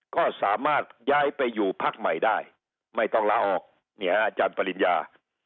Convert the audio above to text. ก็สามารถย้ายไปอยู่พักใหม่ได้ไม่ต้องลาออกเนี่ยอาจารย์ปริญญา